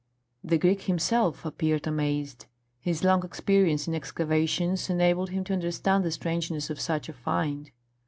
The Greek himself appeared amazed. His long experience in excavations enabled him to understand the strangeness of such a find.